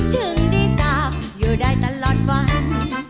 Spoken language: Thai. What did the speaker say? ถึงได้จากอยู่ได้ตลอดวัน